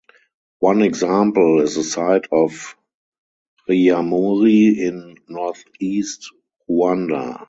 One example is the site of Ryamuri in northeast Rwanda.